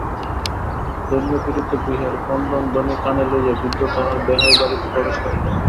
দৈন্যপীড়িত গৃহের ক্রন্দনধ্বনি কানে লইয়া বৃদ্ধ তাঁহার বেহাইবাড়িতে প্রবেশ করিলেন।